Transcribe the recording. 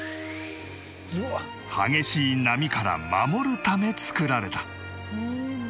激しい波から守るため作られた